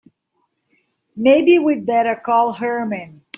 Maybe we'd better call Herman.